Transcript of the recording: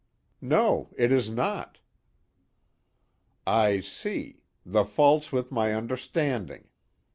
"No, it is not." "I see the fault's with my understanding.